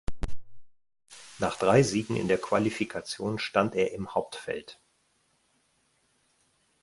Nach drei Siegen in der Qualifikation stand er im Hauptfeld.